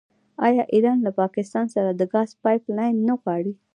آیا ایران له پاکستان سره د ګاز پایپ لاین نه غواړي؟